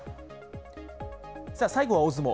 さあ最後は大相撲。